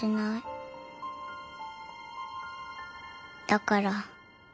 だから。